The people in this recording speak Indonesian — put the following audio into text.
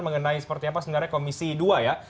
mengenai seperti apa sebenarnya komisi dua ya